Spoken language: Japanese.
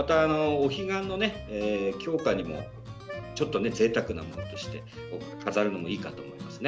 お彼岸の供花にもぜいたくなもので飾るのもいいかと思います。